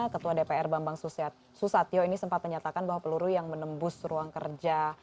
ketua dpr bambang susatyo ini sempat menyatakan bahwa peluru yang menembus ruang kerja